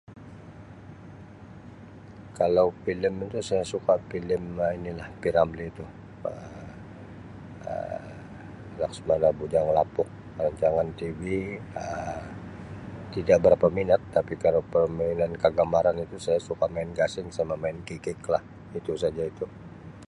Kakau filem tu saya suka filem Um inilah filem P. Ramlee itu Um yang segala bujang lapok, rancangan TV Um tidak berapa minat tapi kalau permainan kegemaran itu saya suka main gasing sama main kikik lah, itu saja itu.